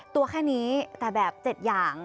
ตัวแค่นี้แต่แบบ๗อย่าง